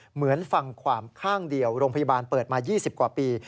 เหมือนฟังความข้างเดียวโรงพยาบาลเปิดมา๒๐กว่าปี